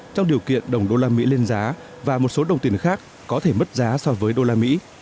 trong điều kiện đồng đô la mỹ lên giá và một số đồng tiền khác có thể mất giá so với đô la mỹ